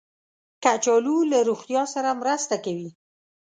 کچالو له روغتیا سره مرسته کوي